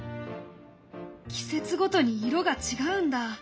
季節ごとに色が違うんだ！